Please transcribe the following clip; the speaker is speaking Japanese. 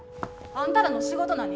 あんたらの仕事何？